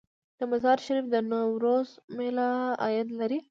د مزار شریف د نوروز میله عاید لري؟